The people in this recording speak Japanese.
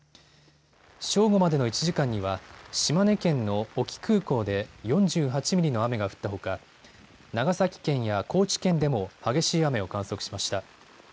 正午までの１時間には島根県の隠岐空港で４８ミリの雨が降ったほか長崎県や高知県でも激しい雨を観測しました。